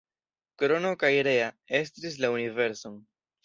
Krono kaj Rea estris la universon.